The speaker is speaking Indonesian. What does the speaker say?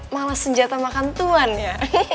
malah senjata makan tuhan ya